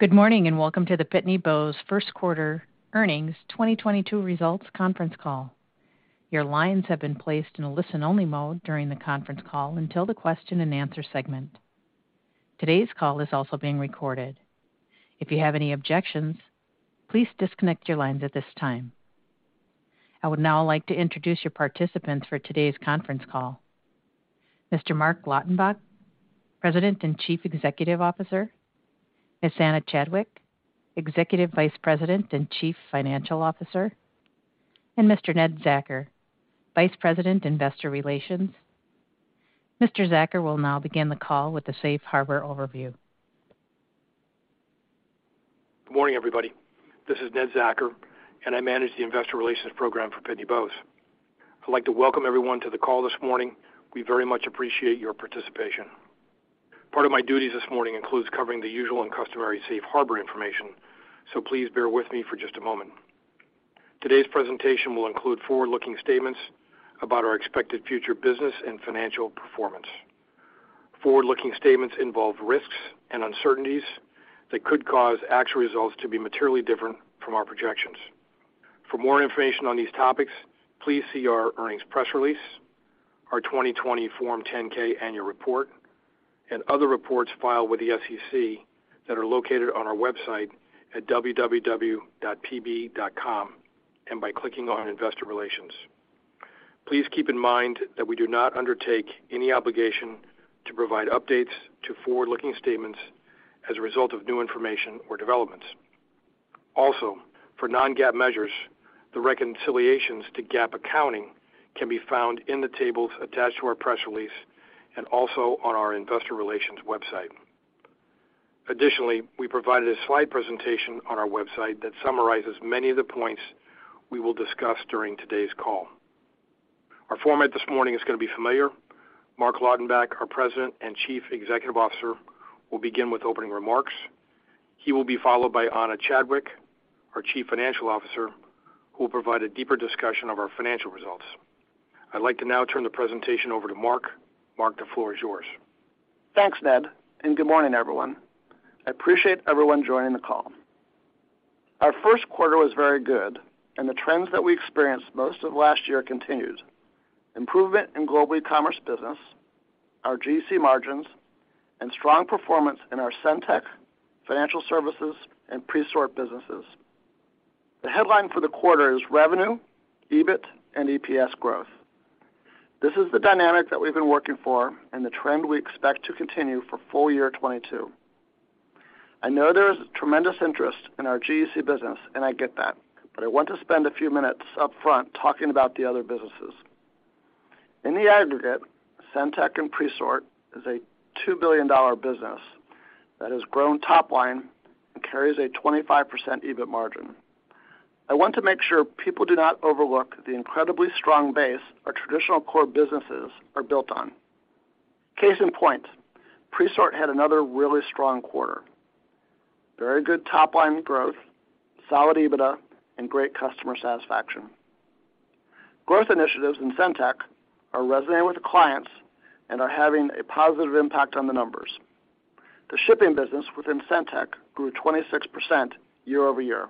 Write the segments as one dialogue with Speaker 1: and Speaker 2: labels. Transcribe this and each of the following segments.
Speaker 1: Good morning, and welcome to the Pitney Bowes First Quarter Earnings 2022 Results Conference Call. Your lines have been placed in a listen-only mode during the conference call until the Q&A segment. Today's call is also being recorded. If you have any objections, please disconnect your lines at this time. I would now like to introduce your participants for today's conference call. Mr. Marc Lautenbach, President and Chief Executive Officer, Ana Chadwick, Executive Vice President and Chief Financial Officer, and Mr. Ned Zachar, Vice President, Investor Relations. Mr. Zachar will now begin the call with the Safe Harbor overview.
Speaker 2: Good morning, everybody. This is Ned Zachar, and I manage the investor relations program for Pitney Bowes. I'd like to welcome everyone to the call this morning. We very much appreciate your participation. Part of my duties this morning includes covering the usual and customary Safe Harbor information, so please bear with me for just a moment. Today's presentation will include forward-looking statements about our expected future business and financial performance. Forward-looking statements involve risks and uncertainties that could cause actual results to be materially different from our projections. For more information on these topics, please see our earnings press release, our 2020 Form 10-K Annual Report, and other reports filed with the SEC that are located on our website at www.pb.com, and by clicking on Investor Relations. Please keep in mind that we do not undertake any obligation to provide updates to forward-looking statements as a result of new information or developments. Also, for non-GAAP measures, the reconciliations to GAAP accounting can be found in the tables attached to our press release and also on our investor relations website. Additionally, we provided a slide presentation on our website that summarizes many of the points we will discuss during today's call. Our format this morning is gonna be familiar. Marc Lautenbach, our President and Chief Executive Officer, will begin with opening remarks. He will be followed by Ana Chadwick, our Chief Financial Officer, who will provide a deeper discussion of our financial results. I'd like to now turn the presentation over to Marc. Marc, the floor is yours.
Speaker 3: Thanks, Ned, and good morning, everyone. I appreciate everyone joining the call. Our first quarter was very good, and the trends that we experienced most of last year continued. Improvement in Global Ecommerce business, our GEC margins, and strong performance in our SendTech, financial services, and Presort businesses. The headline for the quarter is revenue, EBIT, and EPS growth. This is the dynamic that we've been working for and the trend we expect to continue for full year 2022. I know there is tremendous interest in our GEC business, and I get that, but I want to spend a few minutes upfront talking about the other businesses. In the aggregate, SendTech and Presort is a $2 billion business that has grown top line and carries a 25% EBIT margin. I want to make sure people do not overlook the incredibly strong base our traditional core businesses are built on. Case in point, Presort had another really strong quarter. Very good top-line growth, solid EBITDA, and great customer satisfaction. Growth initiatives in SendTech are resonating with the clients and are having a positive impact on the numbers. The shipping business within SendTech grew 26% year-over-year.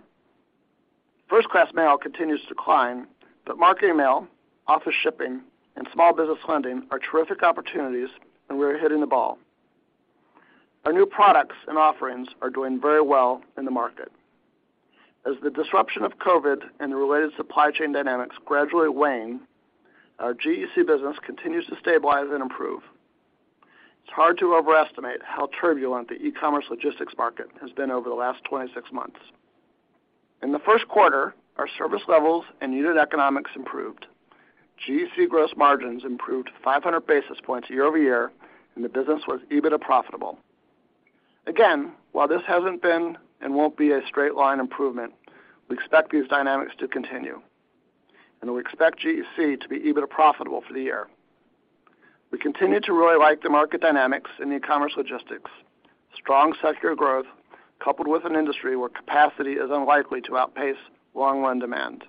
Speaker 3: First-class mail continues to decline, but marketing mail, office shipping, and small business lending are terrific opportunities, and we're hitting the ball. Our new products and offerings are doing very well in the market. As the disruption of COVID and the related supply chain dynamics gradually wane, our GEC business continues to stabilize and improve. It's hard to overestimate how turbulent the e-commerce logistics market has been over the last 26 months. In the first quarter, our service levels and unit economics improved. GEC gross margins improved 500 basis points year-over-year, and the business was EBITDA profitable. Again, while this hasn't been and won't be a straight line improvement, we expect these dynamics to continue, and we expect GEC to be EBITDA profitable for the year. We continue to really like the market dynamics in the e-commerce logistics. Strong secular growth coupled with an industry where capacity is unlikely to outpace long-run demand.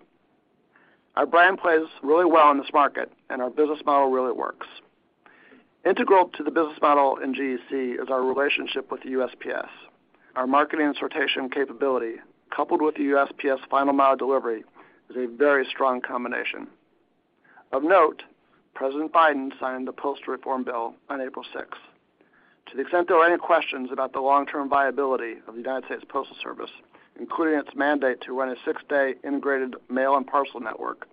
Speaker 3: Our brand plays really well in this market, and our business model really works. Integral to the business model in GEC is our relationship with the USPS. Our marketing and sortation capability, coupled with the USPS final mile delivery, is a very strong combination. Of note, President Biden signed the Postal Service Reform Act of 2022 on April 6. To the extent there are any questions about the long-term viability of the United States Postal Service, including its mandate to run a six-day integrated mail and parcel network,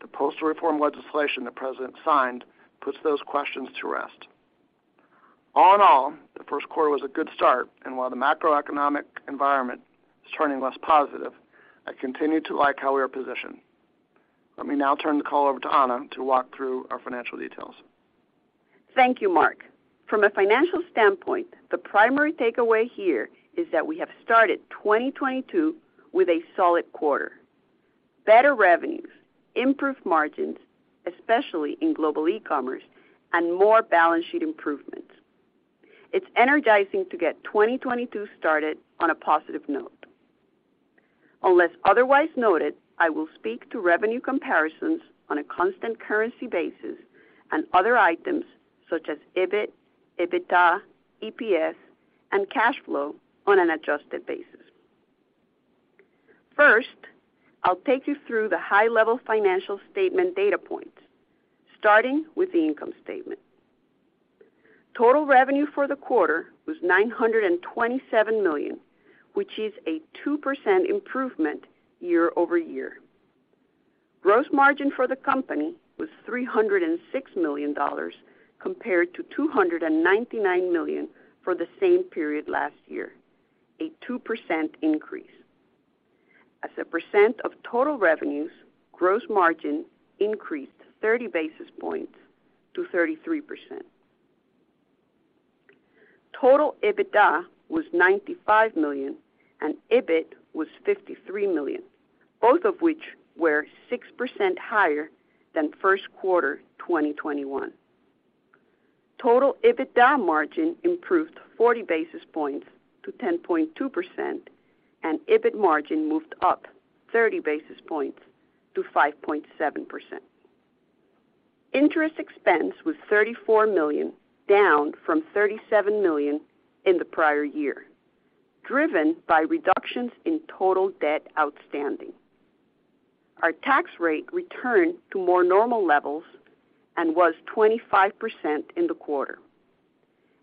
Speaker 3: the postal reform legislation the President signed puts those questions to rest. All in all, the first quarter was a good start, and while the macroeconomic environment is turning less positive, I continue to like how we are positioned. Let me now turn the call over to Ana to walk through our financial details.
Speaker 4: Thank you, Marc. From a financial standpoint, the primary takeaway here is that we have started 2022 with a solid quarter. Better revenues, improved margins, especially in Global Ecommerce, and more balance sheet improvements. It's energizing to get 2022 started on a positive note. Unless otherwise noted, I will speak to revenue comparisons on a constant currency basis and other items such as EBIT, EBITDA, EPS, and cash flow on an adjusted basis. First, I'll take you through the high-level financial statement data points, starting with the income statement. Total revenue for the quarter was $927 million, which is a 2% improvement year-over-year. Gross margin for the company was $306 million compared to $299 million for the same period last year, a 2% increase. As a percent of total revenues, gross margin increased 30 basis points to 33%. Total EBITDA was $95 million, and EBIT was $53 million, both of which were 6% higher than first quarter 2021. Total EBITDA margin improved 40 basis points to 10.2%, and EBIT margin moved up 30 basis points to 5.7%. Interest expense was $34 million, down from $37 million in the prior year, driven by reductions in total debt outstanding. Our tax rate returned to more normal levels and was 25% in the quarter.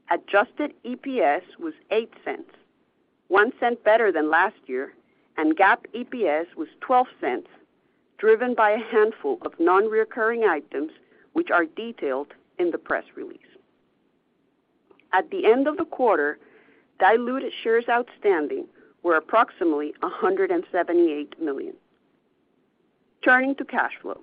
Speaker 4: Adjusted EPS was $0.08, $0.01 better than last year, and GAAP EPS was $0.12, driven by a handful of non-recurring items which are detailed in the press release. At the end of the quarter, diluted shares outstanding were approximately 178 million. Turning to cash flow.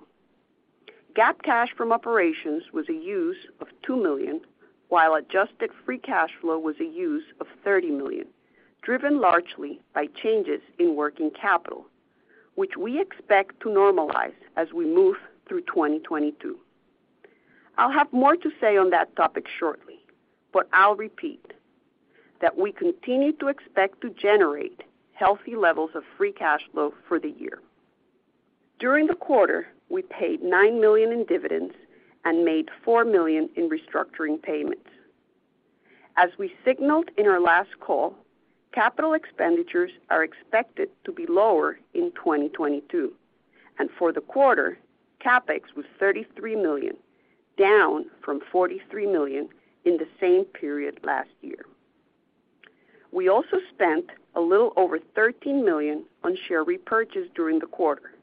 Speaker 4: GAAP cash from operations was a use of $2 million, while adjusted free cash flow was a use of $30 million, driven largely by changes in working capital, which we expect to normalize as we move through 2022. I'll have more to say on that topic shortly, but I'll repeat that we continue to expect to generate healthy levels of free cash flow for the year. During the quarter, we paid $9 million in dividends and made $4 million in restructuring payments. As we signaled in our last call, capital expenditures are expected to be lower in 2022, and for the quarter, CapEx was $33 million, down from $43 million in the same period last year. We also spent a little over $13 million on share repurchase during the quarter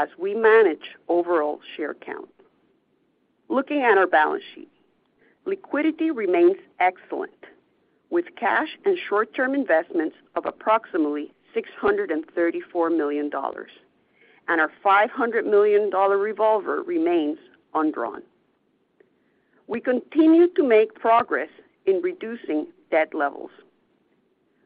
Speaker 4: as we manage overall share count. Looking at our balance sheet, liquidity remains excellent, with cash and short-term investments of approximately $634 million, and our $500 million revolver remains undrawn. We continue to make progress in reducing debt levels.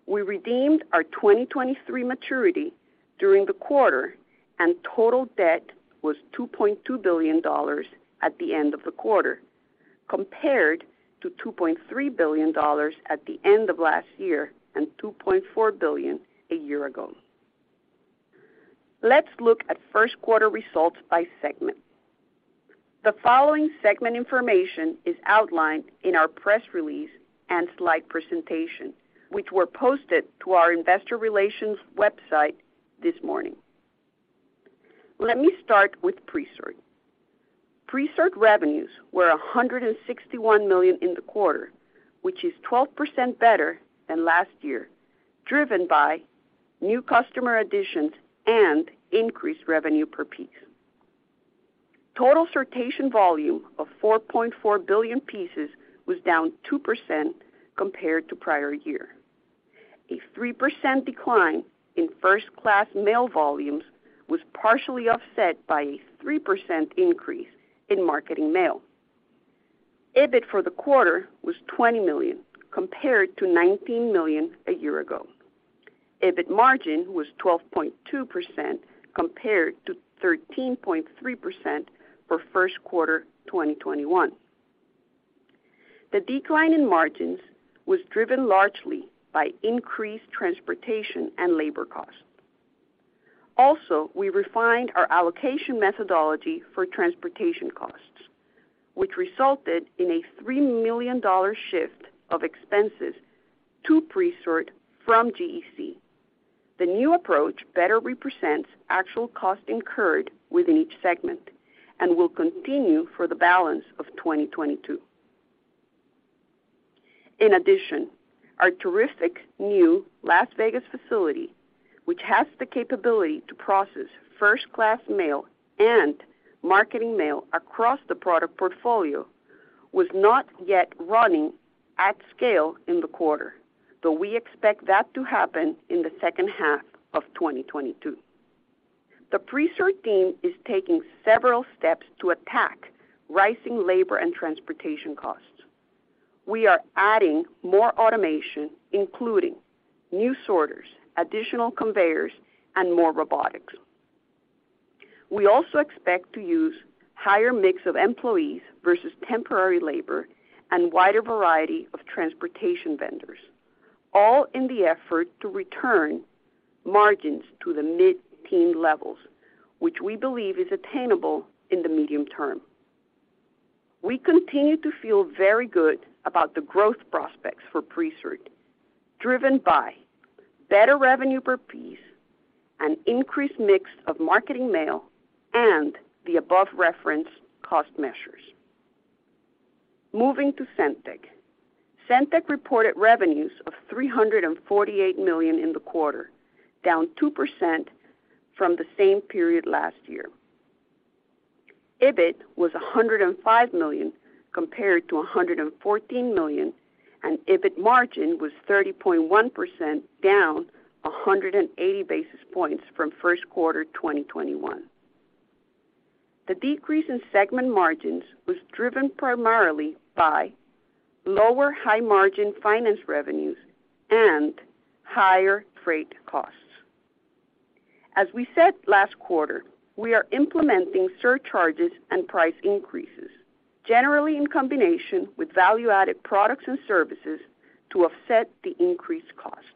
Speaker 4: We redeemed our 2023 maturity during the quarter, and total debt was $2.2 billion at the end of the quarter, compared to $2.3 billion at the end of last year and $2.4 billion a year ago. Let's look at first quarter results by segment. The following segment information is outlined in our press release and slide presentation, which were posted to our investor relations website this morning. Let me start with Presort. Presort revenues were $161 million in the quarter, which is 12% better than last year, driven by new customer additions and increased revenue per piece. Total sortation volume of 4.4 billion pieces was down 2% compared to prior year. A 3% decline in first-class mail volumes was partially offset by a 3% increase in marketing mail. EBIT for the quarter was $20 million compared to $19 million a year ago. EBIT margin was 12.2% compared to 13.3% for first quarter 2021. The decline in margins was driven largely by increased transportation and labor costs. Also, we refined our allocation methodology for transportation costs, which resulted in a $3 million shift of expenses to Presort from GEC. The new approach better represents actual costs incurred within each segment and will continue for the balance of 2022. In addition, our terrific new Las Vegas facility, which has the capability to process first-class mail and marketing mail across the product portfolio, was not yet running at scale in the quarter, though we expect that to happen in the second half of 2022. The Presort team is taking several steps to attack rising labor and transportation costs. We are adding more automation, including new sorters, additional conveyors, and more robotics. We also expect to use higher mix of employees versus temporary labor and wider variety of transportation vendors, all in the effort to return margins to the mid-teen levels, which we believe is attainable in the medium term. We continue to feel very good about the growth prospects for Presort, driven by better revenue per piece, an increased mix of marketing mail, and the above-referenced cost measures. Moving to SendTech. SendTech reported revenues of $348 million in the quarter, down 2% from the same period last year. EBIT was $105 million compared to $114 million, and EBIT margin was 30.1%, down 180 basis points from first quarter 2021. The decrease in segment margins was driven primarily by lower high-margin finance revenues and higher freight costs. As we said last quarter, we are implementing surcharges and price increases, generally in combination with value-added products and services to offset the increased costs.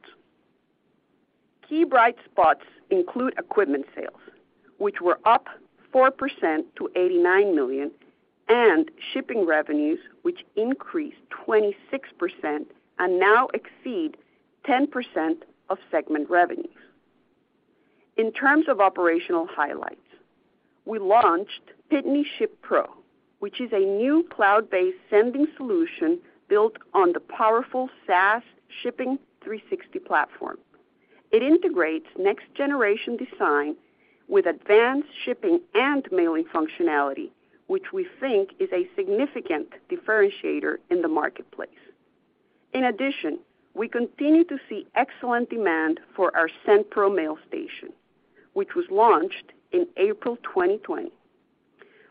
Speaker 4: Key bright spots include equipment sales, which were up 4% to $89 million, and shipping revenues, which increased 26% and now exceed 10% of segment revenues. In terms of operational highlights, we launched PitneyShip Pro, which is a new cloud-based sending solution built on the powerful SaaS Shipping 360 platform. It integrates next-generation design with advanced shipping and mailing functionality, which we think is a significant differentiator in the marketplace. In addition, we continue to see excellent demand for our SendPro Mailstation, which was launched in April 2020.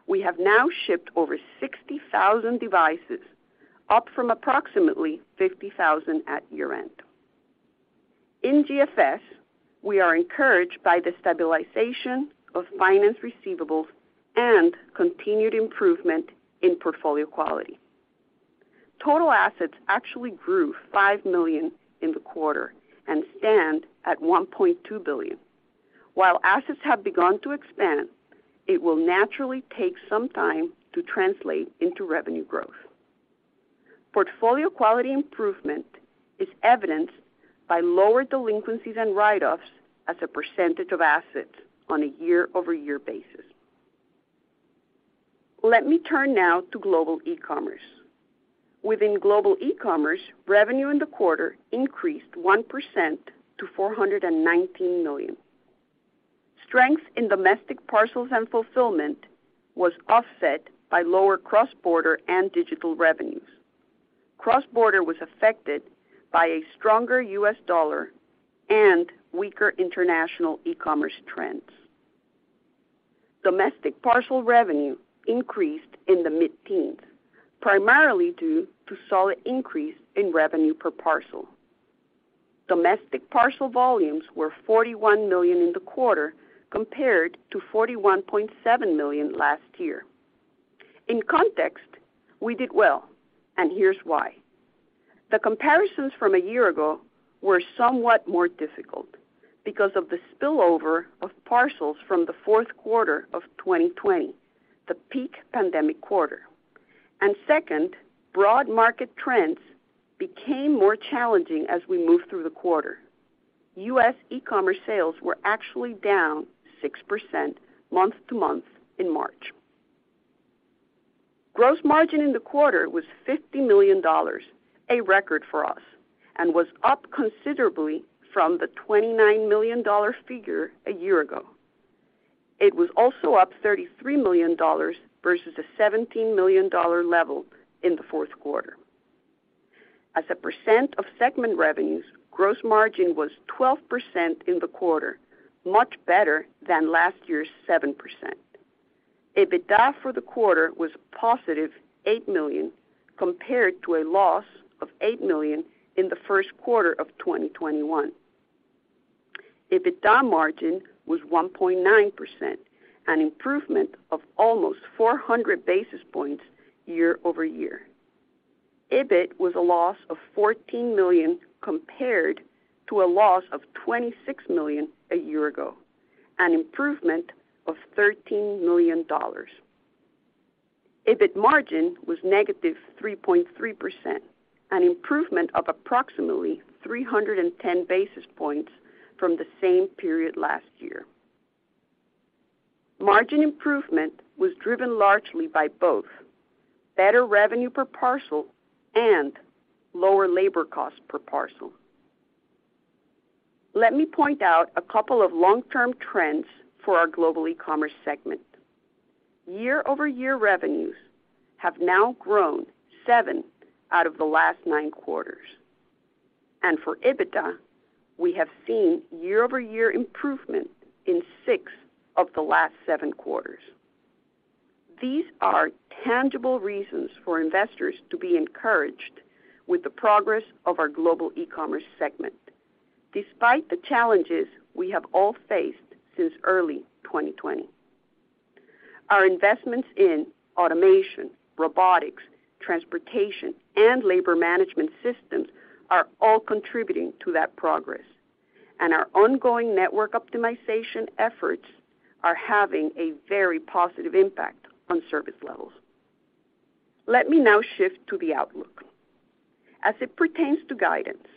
Speaker 4: We have now shipped over 60,000 devices, up from approximately 50,000 at year-end. In GFS, we are encouraged by the stabilization of finance receivables and continued improvement in portfolio quality. Total assets actually grew $5 million in the quarter and stand at $1.2 billion. While assets have begun to expand, it will naturally take some time to translate into revenue growth. Portfolio quality improvement is evidenced by lower delinquencies and write-offs as a percentage of assets on a year-over-year basis. Let me turn now to Global Ecommerce. Within Global Ecommerce, revenue in the quarter increased 1% to $419 million. Strength in domestic parcels and fulfillment was offset by lower cross-border and digital revenues. Cross-border was affected by a stronger U.S. dollar and weaker international e-commerce trends. Domestic parcel revenue increased in the mid-teens, primarily due to solid increase in revenue per parcel. Domestic parcel volumes were 41 million in the quarter compared to 41.7 million last year. In context, we did well, and here's why. The comparisons from a year ago were somewhat more difficult because of the spillover of parcels from the fourth quarter of 2020, the peak pandemic quarter. Second, broad market trends became more challenging as we moved through the quarter. U.S. e-commerce sales were actually down 6% month-to-month in March. Gross margin in the quarter was $50 million, a record for us, and was up considerably from the $29 million figure a year ago. It was also up $33 million versus a $17 million level in the fourth quarter. As a percent of segment revenues, gross margin was 12% in the quarter, much better than last year's 7%. EBITDA for the quarter was positive $8 million compared to a loss of $8 million in the first quarter of 2021. EBITDA margin was 1.9%, an improvement of almost 400 basis points year over year. EBIT was a loss of $14 million compared to a loss of $26 million a year ago, an improvement of $13 million. EBIT margin was -3.3%, an improvement of approximately 310 basis points from the same period last year. Margin improvement was driven largely by both better revenue per parcel and lower labor cost per parcel. Let me point out a couple of long-term trends for our Global Ecommerce segment. Year-over-year revenues have now grown seven out of the last nine quarters. For EBITDA, we have seen year-over-year improvement in six of the last seven quarters. These are tangible reasons for investors to be encouraged with the progress of our Global Ecommerce segment despite the challenges we have all faced since early 2020. Our investments in automation, robotics, transportation, and labor management systems are all contributing to that progress, and our ongoing network optimization efforts are having a very positive impact on service levels. Let me now shift to the outlook. As it pertains to guidance,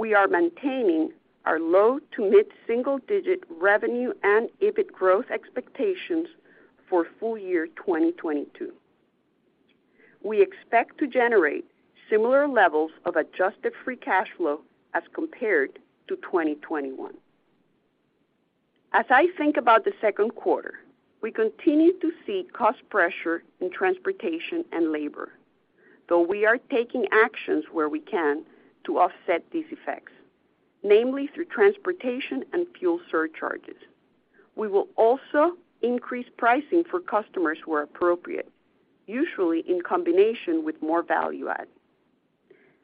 Speaker 4: we are maintaining our low- to mid-single-digit revenue and EBIT growth expectations for full year 2022. We expect to generate similar levels of adjusted free cash flow as compared to 2021. As I think about the second quarter, we continue to see cost pressure in transportation and labor, though we are taking actions where we can to offset these effects, namely through transportation and fuel surcharges. We will also increase pricing for customers where appropriate, usually in combination with more value add.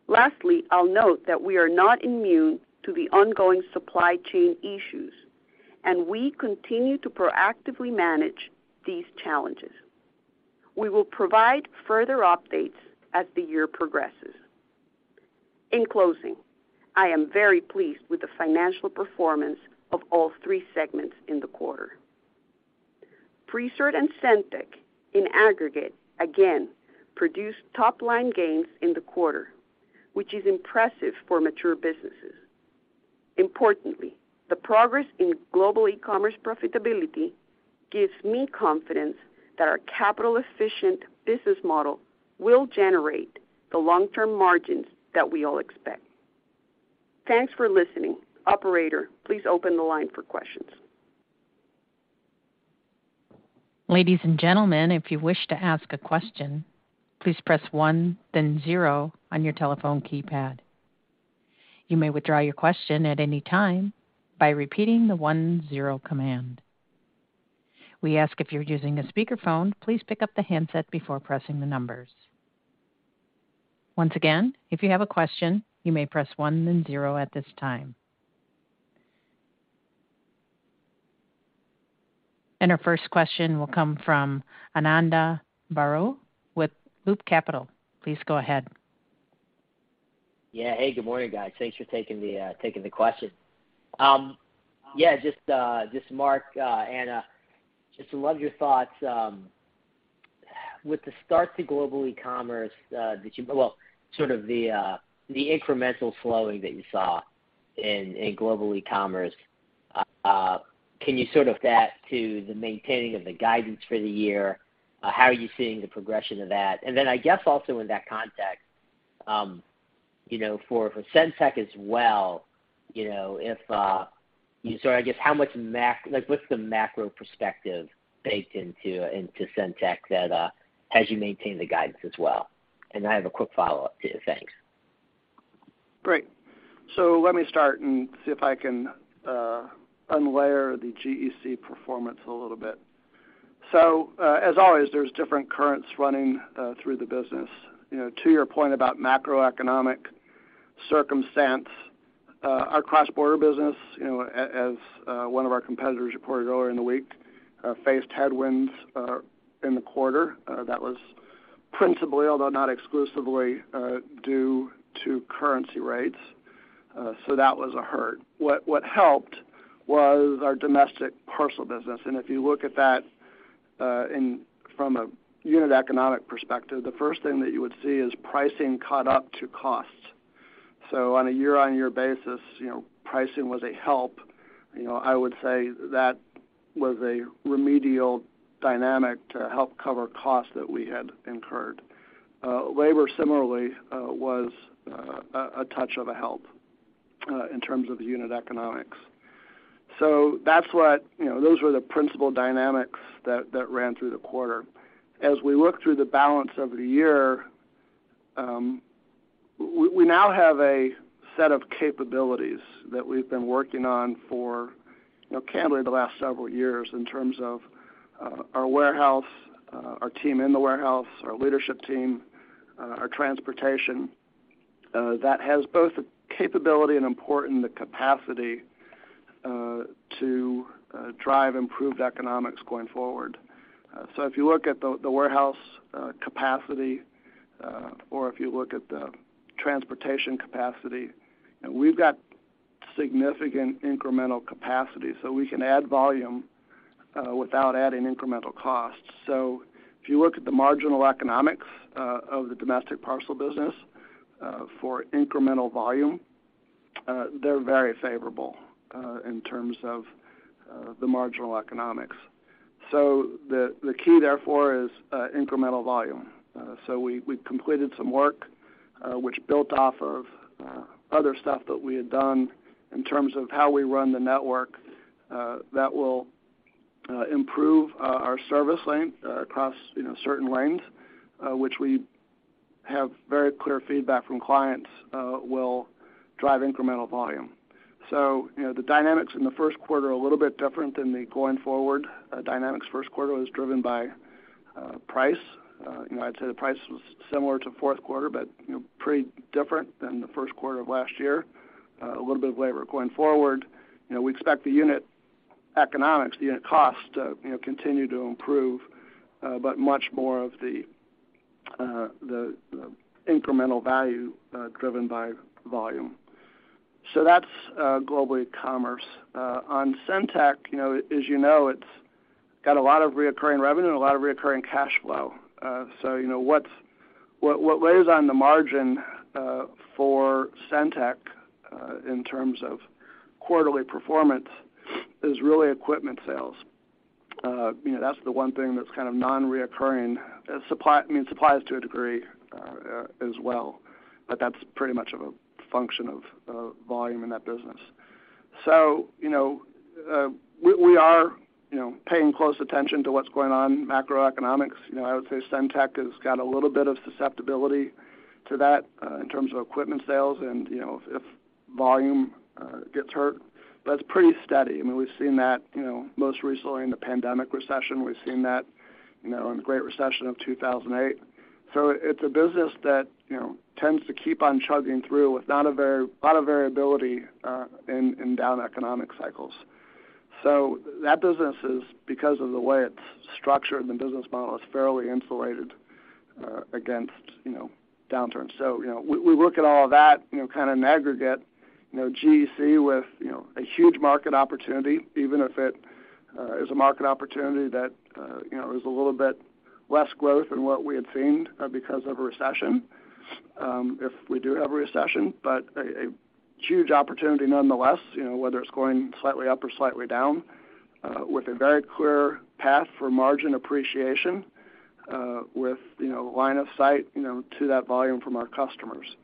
Speaker 4: Lastly, I'll note that we are not immune to the ongoing supply chain issues, and we continue to proactively manage these challenges. We will provide further updates as the year progresses. In closing, I am very pleased with the financial performance of all three segments in the quarter. Presort and SendTech, in aggregate, again, produced top line gains in the quarter, which is impressive for mature businesses. Importantly, the progress in Global Ecommerce profitability gives me confidence that our capital efficient business model will generate the long-term margins that we all expect. Thanks for listening. Operator, please open the line for questions.
Speaker 1: Ladies and gentlemen, if you wish to ask a question, please press one then zero on your telephone keypad. You may withdraw your question at any time by repeating the one zero command. We ask if you're using a speakerphone, please pick up the handset before pressing the numbers. Once again, if you have a question, you may press one then zero at this time. Our first question will come from Ananda Baruah with Loop Capital. Please go ahead.
Speaker 5: Yeah. Hey, good morning, guys. Thanks for taking the question. Yeah, just Marc, Ana, would love your thoughts with the start to Global Ecommerce that you saw, well, sort of the incremental slowing that you saw in Global Ecommerce. Can you tie that to the maintaining of the guidance for the year? How are you seeing the progression of that? Then I guess also in that context, you know, for SendTech as well, you know, like, what's the macro perspective baked into SendTech that as you maintain the guidance as well? I have a quick follow-up too. Thanks.
Speaker 3: Great. Let me start and see if I can unlayer the GEC performance a little bit. As always, there's different currents running through the business. You know, to your point about macroeconomic circumstance, our cross-border business, you know, as one of our competitors reported earlier in the week, faced headwinds in the quarter. That was principally, although not exclusively, due to currency rates. That was a hurt. What helped was our domestic parcel business. If you look at that in from a unit economic perspective, the first thing that you would see is pricing caught up to costs. On a year-on-year basis, you know, pricing was a help. You know, I would say that was a remedial dynamic to help cover costs that we had incurred. Labor similarly was a touch of a help in terms of unit economics. That's what, you know, those were the principal dynamics that ran through the quarter. As we look through the balance of the year, we now have a set of capabilities that we've been working on for, you know, candidly the last several years in terms of our warehouse, our team in the warehouse, our leadership team, our transportation, that has both the capability and importantly the capacity to drive improved economics going forward. If you look at the warehouse capacity, or if you look at the transportation capacity, we've got significant incremental capacity, so we can add volume without adding incremental costs. If you look at the marginal economics of the domestic parcel business for incremental volume, they're very favorable in terms of the marginal economics. The key therefore is incremental volume. We completed some work, which built off of other stuff that we had done in terms of how we run the network, that will improve our service lane across, you know, certain lanes, which we have very clear feedback from clients, will drive incremental volume. You know, the dynamics in the first quarter are a little bit different than the going forward. The dynamics of the first quarter was driven by price. You know, I'd say the price was similar to fourth quarter, but, you know, pretty different than the first quarter of last year, a little bit of labor going forward. You know, we expect the unit economics, the unit costs to, you know, continue to improve, but much more of the incremental value driven by volume. That's Global Ecommerce. On SendTech, you know, as you know, it's got a lot of recurring revenue and a lot of recurring cash flow. So you know, what weighs on the margin for SendTech in terms of quarterly performance is really equipment sales. You know, that's the one thing that's kind of non-recurring. I mean, supplies to a degree, as well, but that's pretty much a function of volume in that business. You know, we are paying close attention to what's going on in macroeconomics. You know, I would say SendTech has got a little bit of susceptibility to that, in terms of equipment sales and, you know, if volume gets hurt, but it's pretty steady. I mean, we've seen that, you know, most recently in the pandemic recession. We've seen that, you know, in the Great Recession of 2008. It's a business that, you know, tends to keep on chugging through with not a lot of variability in down economic cycles. That business is because of the way it's structured, the business model is fairly insulated against, you know, downturns. You know, we look at all of that, you know, kind of in aggregate, you know, GEC with, you know, a huge market opportunity, even if it is a market opportunity that, you know, is a little bit less growth than what we had seen, because of a recession, if we do have a recession, but a huge opportunity nonetheless, you know, whether it's going slightly up or slightly down, with a very clear path for margin appreciation, with, you know, line of sight, you know, to that volume from our customers.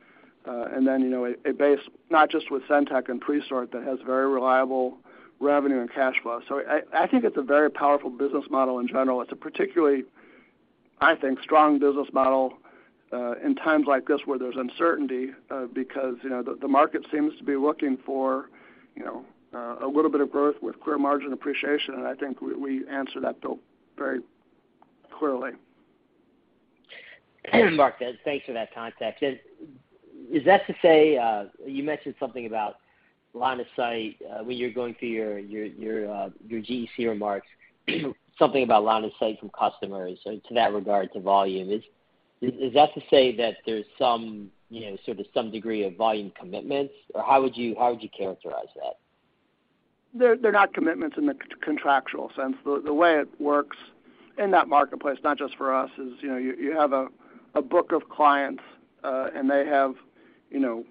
Speaker 3: You know, a base not just with SendTech and Presort that has very reliable revenue and cash flow. I think it's a very powerful business model in general. It's a particularly, I think, strong business model, in times like this where there's uncertainty, because, you know, the market seems to be looking for, you know, a little bit of growth with clear margin appreciation, and I think we answer that bill very clearly.
Speaker 5: Marc, thanks for that context. Is that to say you mentioned something about line of sight when you're going through your GEC remarks, something about line of sight from customers in that regard to volume. Is that to say that there's some, you know, sort of some degree of volume commitments? Or how would you characterize that?
Speaker 3: They're not commitments in the contractual sense. The way it works in that marketplace, not just for us, is, you know, you have a book of clients, and they have, you know,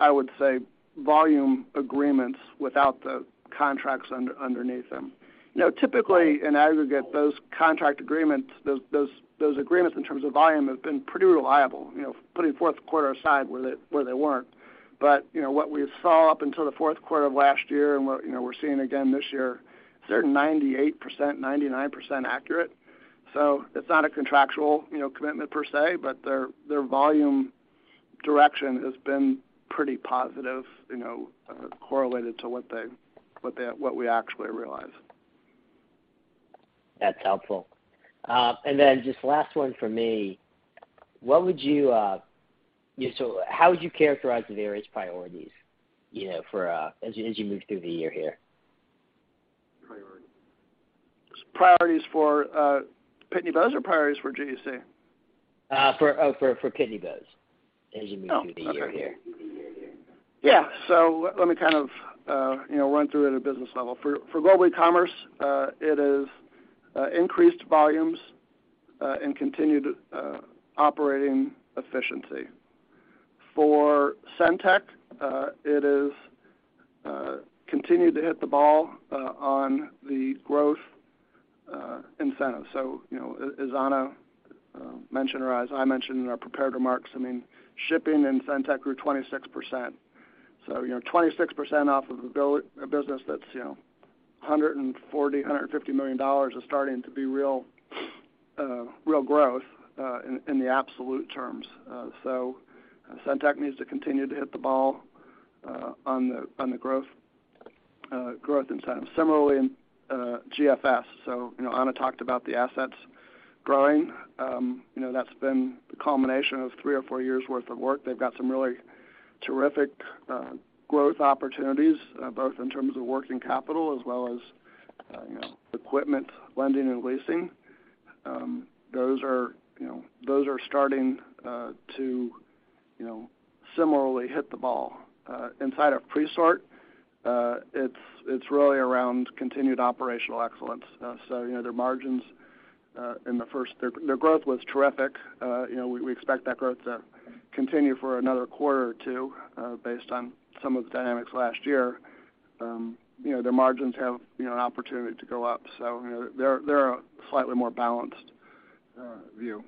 Speaker 3: I would say volume agreements without the contracts underneath them. You know, typically in aggregate, those contract agreements, those agreements in terms of volume have been pretty reliable, you know, putting fourth quarter aside where they weren't. You know, what we saw up until the fourth quarter of last year and what, you know, we're seeing again this year, they're 98%, 99% accurate. It's not a contractual, you know, commitment per se, but their volume direction has been pretty positive, you know, correlated to what we actually realize.
Speaker 5: That's helpful. Just last one for me. How would you characterize the various priorities, you know, for as you move through the year here?
Speaker 3: Priorities. Priorities for Pitney Bowes or priorities for GEC?
Speaker 5: For Pitney Bowes as you move through the year here.
Speaker 3: Let me kind of run through it at a business level. For Global Ecommerce, it is increased volumes and continued operating efficiency. For SendTech, it is continue to hit the ball on the growth incentive. As Ana mentioned or as I mentioned in our prepared remarks, I mean, shipping in SendTech grew 26%. 26% off of a base, a business that's $140 million-$150 million is starting to be real growth in the absolute terms. SendTech needs to continue to hit the ball on the growth incentive. Similarly in GFS. Ana talked about the assets growing. You know, that's been the culmination of three or four years' worth of work. They've got some really terrific growth opportunities both in terms of working capital as well as you know, equipment lending and leasing. Those are you know, those are starting to you know, similarly hit the ball. Inside of Presort, it's really around continued operational excellence. You know, their margins, their growth was terrific. You know, we expect that growth to continue for another quarter or two based on some of the dynamics last year. You know, their margins have you know, an opportunity to go up. You know, they're a slightly more balanced view.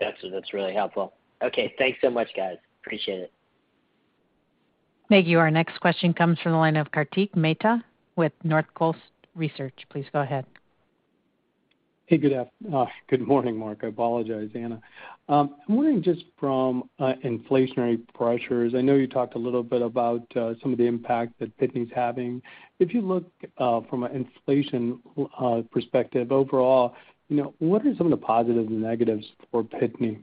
Speaker 5: Got you. That's really helpful. Okay. Thanks so much, guys. Appreciate it.
Speaker 1: Thank you. Our next question comes from the line of Kartik Mehta with Northcoast Research. Please go ahead.
Speaker 6: Hey, good morning, Marc. I apologize, Ana. I'm wondering just from inflationary pressures, I know you talked a little bit about some of the impact that Pitney's having. If you look from an inflation perspective overall, you know, what are some of the positives and negatives for Pitney?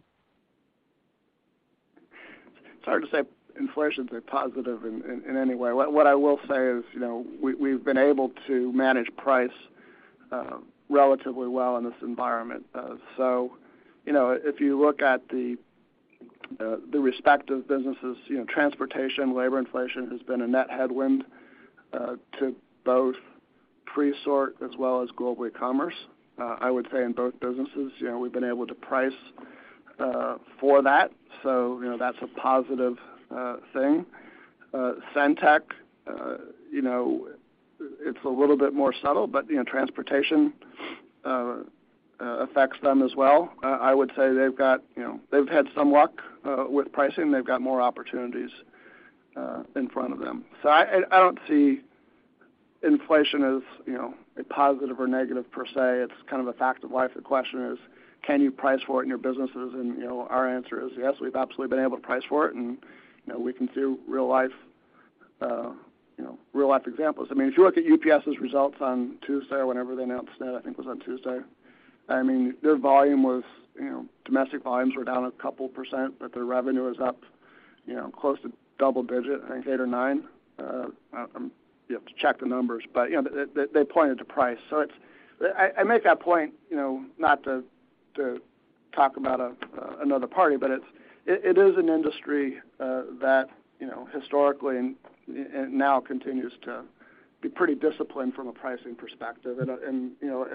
Speaker 3: It's hard to say inflation's a positive in any way. What I will say is, you know, we've been able to manage price relatively well in this environment. You know, if you look at the respective businesses, you know, transportation, labor inflation has been a net headwind to both Presort as well as Global Ecommerce. I would say in both businesses, you know, we've been able to price for that. You know, that's a positive thing. SendTech, you know, it's a little bit more subtle, but, you know, transportation affects them as well. I would say they've got, you know, they've had some luck with pricing. They've got more opportunities in front of them. I don't see inflation as, you know, a positive or negative per se. It's kind of a fact of life. The question is, can you price for it in your businesses? You know, our answer is yes, we've absolutely been able to price for it. You know, we can see real life examples. I mean, if you look at UPS's results on Tuesday or whenever they announced that, I think it was on Tuesday. I mean, their volume was, you know, domestic volumes were down a couple %, but their revenue was up, you know, close to double digit, I think 8% or 9%. You have to check the numbers, but, you know, they pointed to price. I make that point, you know, not to talk about another party, but it is an industry that, you know, historically and now continues to be pretty disciplined from a pricing perspective. You know,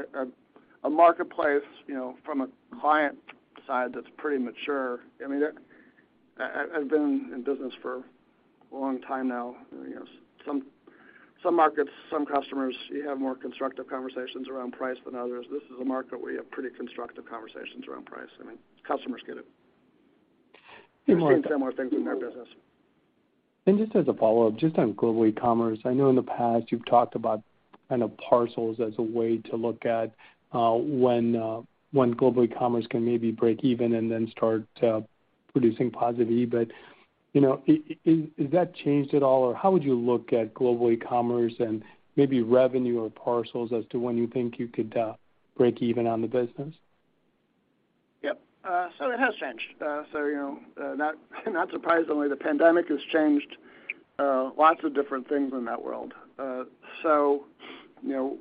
Speaker 3: a marketplace, you know, from a client side that's pretty mature. I mean, I've been in business for a long time now. You know, some markets, some customers, you have more constructive conversations around price than others. This is a market where you have pretty constructive conversations around price. I mean, customers get it. We've seen similar things in our business.
Speaker 6: Just as a follow-up, just on Global Ecommerce, I know in the past you've talked about kind of parcels as a way to look at, when Global Ecommerce can maybe break even and then start producing positive EBIT. You know, is that changed at all? Or how would you look at Global Ecommerce and maybe revenue or parcels as to when you think you could break even on the business?
Speaker 3: Yep. It has changed. You know, not surprisingly, the pandemic has changed lots of different things in that world. You know,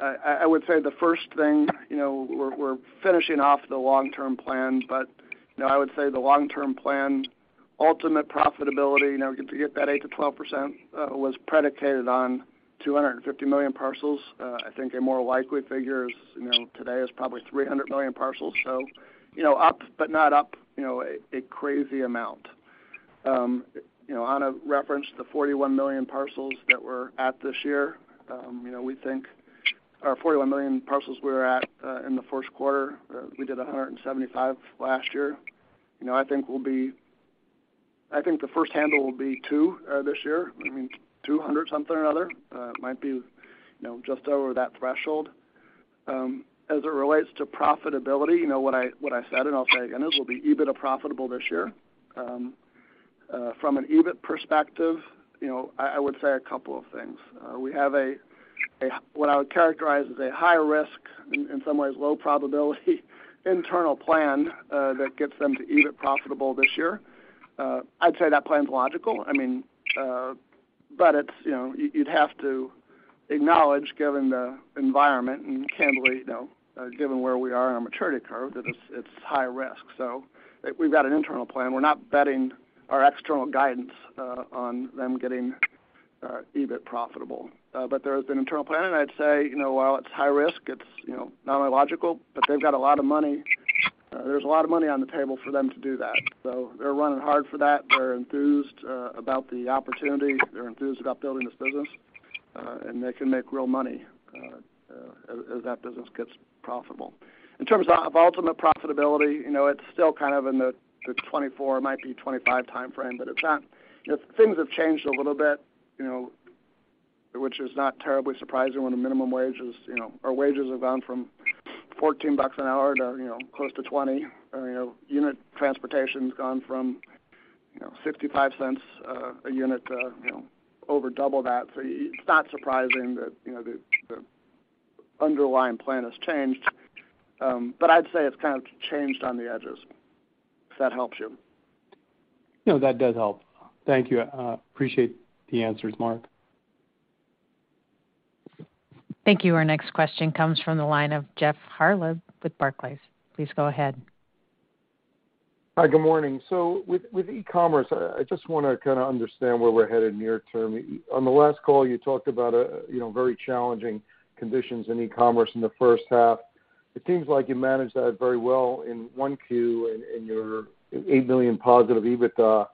Speaker 3: I would say the first thing, you know, we're finishing off the long-term plan, but you know, I would say the long-term plan, ultimate profitability, you know, to get that 8%-12%, was predicated on 250 million parcels. I think a more likely figure is, you know, today is probably 300 million parcels. You know, up but not up, you know, a crazy amount. You know, on a reference to 41 million parcels that we're at this year, you know, or 41 million parcels we were at in the first quarter, we did 175 last year. You know, I think the first handle will be two this year. I mean, 200 something or another. It might be, you know, just over that threshold. As it relates to profitability, you know, what I said, I'll say again, is we'll be EBIT profitable this year. From an EBIT perspective, you know, I would say a couple of things. We have what I would characterize as a high risk, in some ways low probability internal plan that gets them to EBIT profitable this year. I'd say that plan's logical. I mean, it's, you know, you'd have to acknowledge, given the environment and candidly, you know, given where we are in our maturity curve, that it's high risk. We've got an internal plan. We're not betting our external guidance on them getting EBIT profitable. There is an internal plan, and I'd say, you know, while it's high risk, it's, you know, not illogical, but they've got a lot of money. There's a lot of money on the table for them to do that. They're running hard for that. They're enthused about the opportunity. They're enthused about building this business, and they can make real money as that business gets profitable. In terms of ultimate profitability, you know, it's still kind of in the 2024, might be 2025 timeframe, but it's not. You know, things have changed a little bit, you know, which is not terribly surprising when the minimum wage is, you know, or wages have gone from $14 an hour to, you know, close to $20. You know, unit transportation's gone from $0.55 a unit to, you know, over double that. It's not surprising that, you know, the underlying plan has changed. But I'd say it's kind of changed on the edges, if that helps you.
Speaker 6: No, that does help. Thank you. Appreciate the answers, Marc.
Speaker 1: Thank you. Our next question comes from the line of Jeff Harlib with Barclays. Please go ahead.
Speaker 7: Hi, good morning. With e-commerce, I just wanna kinda understand where we're headed near term. On the last call, you talked about a, you know, very challenging conditions in e-commerce in the first half. It seems like you managed that very well in Q1 in your $8 million positive EBITDA.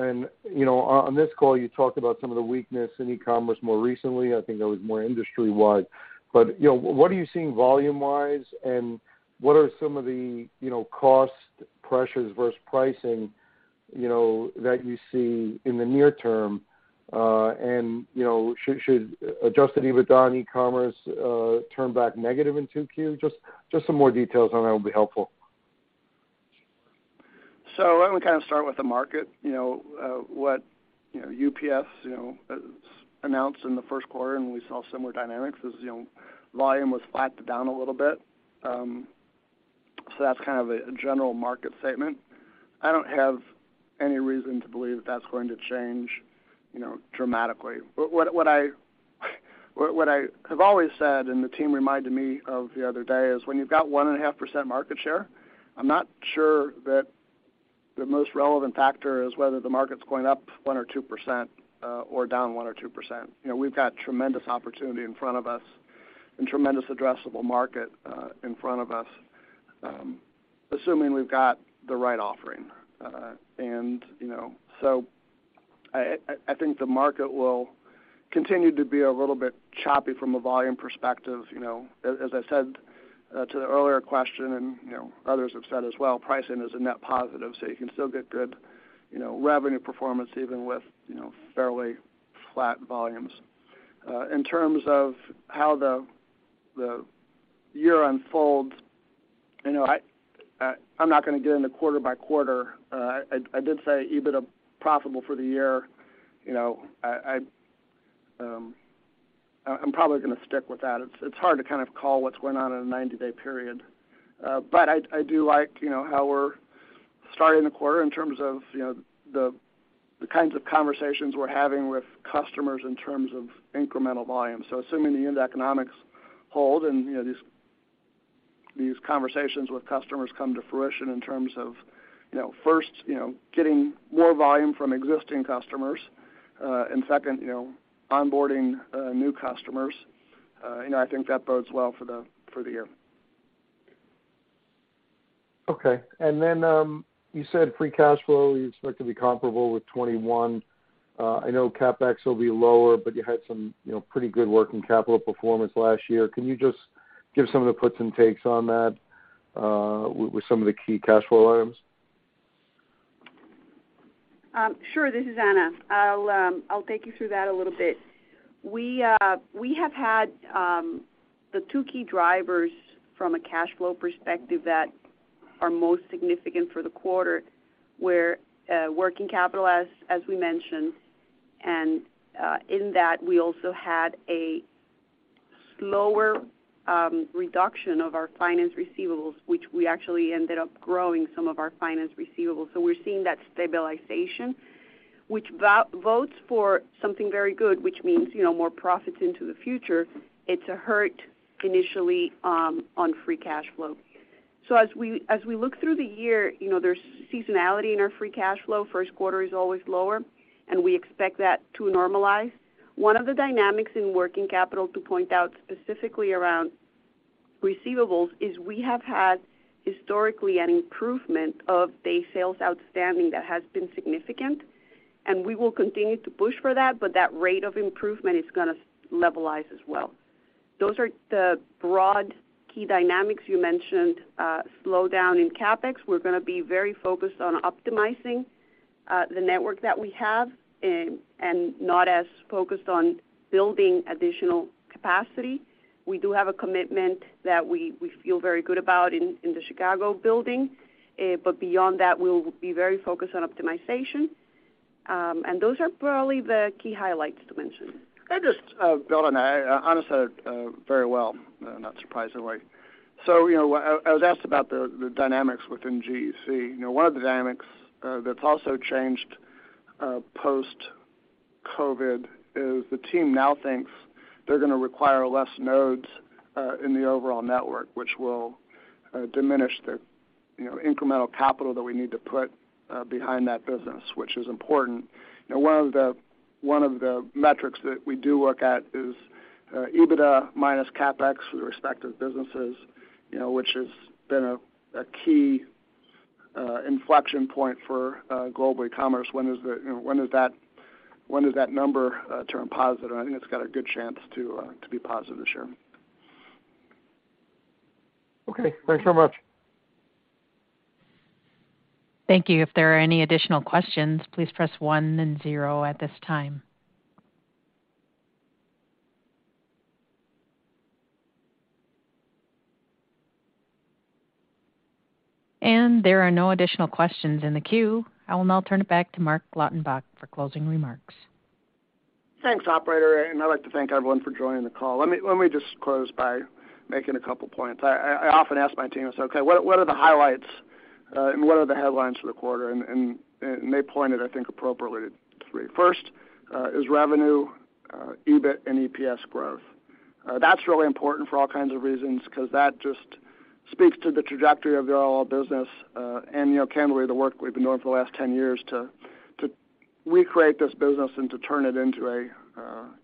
Speaker 7: You know, on this call, you talked about some of the weakness in e-commerce more recently. I think that was more industry-wide. You know, what are you seeing volume-wise, and what are some of the, you know, cost pressures versus pricing. You know, that you see in the near term, and, you know, should adjusted EBITDA in e-commerce turn back negative in Q2? Just some more details on that will be helpful.
Speaker 3: Why don't we kind of start with the market? UPS announced in the first quarter, and we saw similar dynamics. Volume was flat to down a little bit. That's kind of a general market statement. I don't have any reason to believe that's going to change dramatically. What I have always said, and the team reminded me of the other day, is when you've got 1.5% market share, I'm not sure that the most relevant factor is whether the market's going up 1% or 2% or down 1% or 2%. We've got tremendous opportunity in front of us and tremendous addressable market in front of us, assuming we've got the right offering. You know, I think the market will continue to be a little bit choppy from a volume perspective, you know. As I said to the earlier question, you know, others have said as well, pricing is a net positive, so you can still get good, you know, revenue performance even with, you know, fairly flat volumes. In terms of how the year unfolds, you know, I'm not gonna get into quarter by quarter. I did say EBITDA profitable for the year. You know, I'm probably gonna stick with that. It's hard to kind of call what's going on in a 90-day period. I do like, you know, how we're starting the quarter in terms of, you know, the kinds of conversations we're having with customers in terms of incremental volume. Assuming the end economics hold and, you know, these conversations with customers come to fruition in terms of, you know, first, you know, getting more volume from existing customers, and second, you know, onboarding new customers, you know, I think that bodes well for the year.
Speaker 7: Okay. You said free cash flow you expect to be comparable with 2021. I know CapEx will be lower, but you had some, you know, pretty good working capital performance last year. Can you just give some of the puts and takes on that, with some of the key cash flow items?
Speaker 4: Sure. This is Ana. I'll take you through that a little bit. We have had the two key drivers from a cash flow perspective that are most significant for the quarter were working capital, as we mentioned, and in that, we also had a slower reduction of our finance receivables, which we actually ended up growing some of our finance receivables. We're seeing that stabilization, which bodes for something very good, which means, you know, more profits into the future. It's a hit initially on free cash flow. As we look through the year, you know, there's seasonality in our free cash flow. First quarter is always lower, and we expect that to normalize. One of the dynamics in working capital to point out specifically around receivables is we have had historically an improvement of day sales outstanding that has been significant, and we will continue to push for that, but that rate of improvement is gonna levelize as well. Those are the broad key dynamics you mentioned. Slowdown in CapEx, we're gonna be very focused on optimizing the network that we have and not as focused on building additional capacity. We do have a commitment that we feel very good about in the Chicago building. Beyond that, we'll be very focused on optimization. Those are probably the key highlights to mention.
Speaker 3: Can I just build on that? Ana said it very well, not surprisingly. You know, I was asked about the dynamics within GEC. You know, one of the dynamics that's also changed post-COVID is the team now thinks they're gonna require less nodes in the overall network, which will diminish the incremental capital that we need to put behind that business, which is important. You know, one of the metrics that we do look at is EBITDA minus CapEx with respect to the businesses, which has been a key inflection point for Global Ecommerce. When does that number turn positive? I think it's got a good chance to be positive this year.
Speaker 7: Okay. Thanks so much.
Speaker 1: Thank you. If there are any additional questions, please press one then zero at this time. There are no additional questions in the queue. I will now turn it back to Marc Lautenbach for closing remarks.
Speaker 3: Thanks, operator, and I'd like to thank everyone for joining the call. Let me just close by making a couple points. I often ask my team. I say, "Okay, what are the highlights and what are the headlines for the quarter?" They pointed, I think, appropriately to three. First is revenue, EBIT, and EPS growth. That's really important for all kinds of reasons, 'cause that just speaks to the trajectory of the whole business, and you know, candidly, the work we've been doing for the last 10 years to recreate this business and to turn it into a,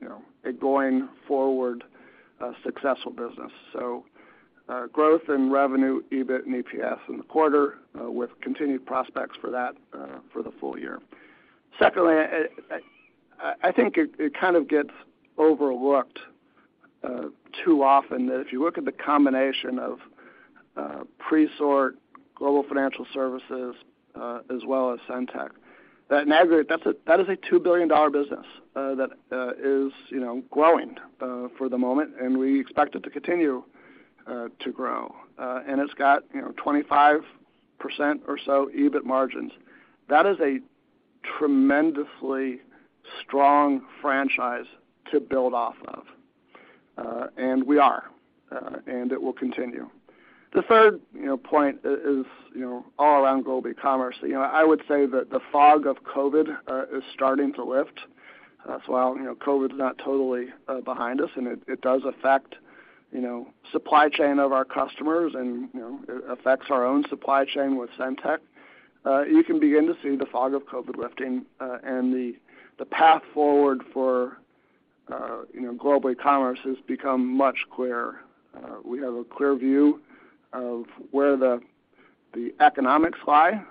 Speaker 3: you know, a going-forward successful business. Growth in revenue, EBIT, and EPS in the quarter with continued prospects for that for the full year. Secondly, I think it kind of gets overlooked too often that if you look at the combination of Presort, Global Financial Services, as well as SendTech. That in aggregate, that's a $2 billion business that is you know growing for the moment, and we expect it to continue to grow. It's got you know 25% or so EBIT margins. That is a tremendously strong franchise to build off of. It will continue. The third you know point is you know all around Global Ecommerce. You know, I would say that the fog of COVID is starting to lift. While, you know, COVID is not totally behind us, and it does affect, you know, supply chain of our customers and, you know, it affects our own supply chain with SendTech, you can begin to see the fog of COVID lifting, and the path forward for, you know, Global Ecommerce has become much clearer. We have a clear view of where the economics lie.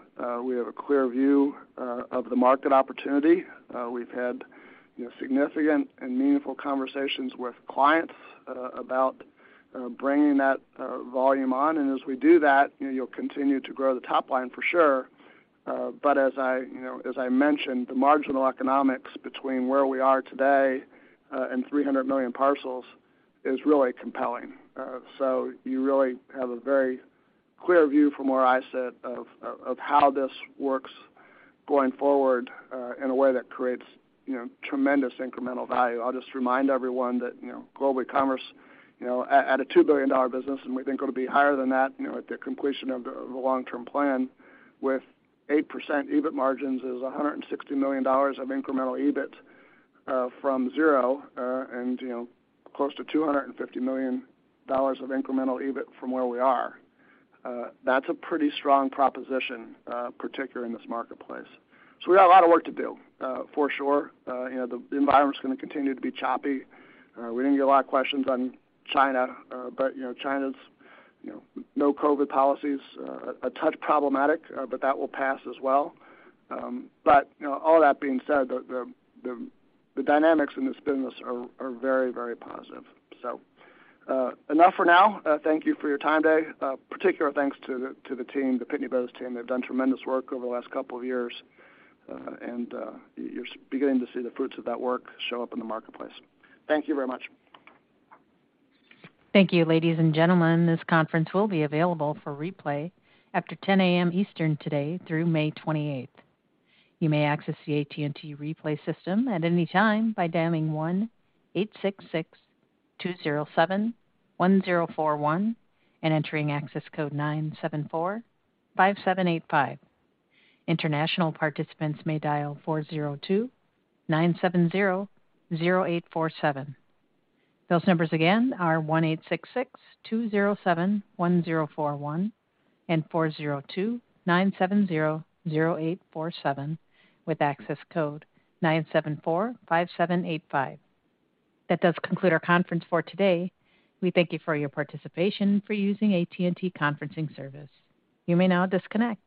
Speaker 3: We have a clear view of the market opportunity. We've had, you know, significant and meaningful conversations with clients about bringing that volume on. As we do that, you know, you'll continue to grow the top line for sure. As I, you know, as I mentioned, the marginal economics between where we are today and 300 million parcels is really compelling. You really have a very clear view from where I sit of how this works going forward in a way that creates, you know, tremendous incremental value. I'll just remind everyone that, you know, Global Ecommerce, you know, at a $2 billion business, and we think it'll be higher than that, you know, at the completion of the long-term plan with 8% EBIT margins is $160 million of incremental EBIT from zero, and, you know, close to $250 million of incremental EBIT from where we are. That's a pretty strong proposition, particularly in this marketplace. We got a lot of work to do, for sure. You know, the environment's gonna continue to be choppy. We didn't get a lot of questions on China, but, you know, China's, you know, no COVID policies, a touch problematic, but that will pass as well. You know, all that being said, the dynamics in this business are very positive. Enough for now. Thank you for your time today. Particular thanks to the team, the Pitney Bowes team. They've done tremendous work over the last couple of years. You're beginning to see the fruits of that work show up in the marketplace. Thank you very much.
Speaker 1: Thank you, ladies and gentlemen. This conference will be available for replay after 10 A.M. Eastern today through May 28. You may access the AT&T Replay system at any time by dialing 1-866-207-1041 and entering access code 9745785. International participants may dial 402-970-0847. Those numbers again are 1-866-207-1041 and 402-970-0847, with access code 9745785. That does conclude our conference for today. We thank you for your participation and for using AT&T Conferencing service. You may now disconnect.